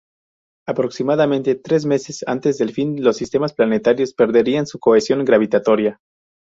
Aproximadamente tres meses antes del fin, los sistemas planetarios perderían su cohesión gravitatoria.